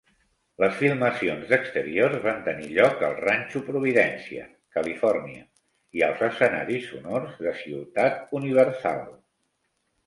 Les filmacions d'exteriors van tenir lloc al ranxo Providencia, Califòrnia, i als escenaris sonors de ciutat Universal.